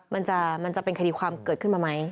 มันจะเป็นคดีความเกิดขึ้นมาไหม